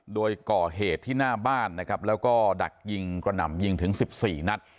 โดยก่อเหตุที่หน้าบ้านนะครับแล้วก็ดักยิงกระหน่ำยิงถึง๑๔นัด